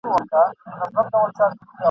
درنیژدې می که په مینه بې سببه بې پوښتنی !.